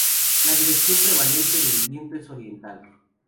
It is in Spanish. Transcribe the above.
La dirección prevalente del viento es oriental.